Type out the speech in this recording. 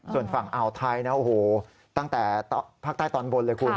ส่วนฝั่งอ่าวไทยนะโอ้โหตั้งแต่ภาคใต้ตอนบนเลยคุณ